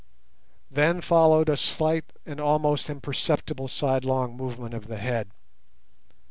Then followed a slight and almost imperceptible sidelong movement of the head.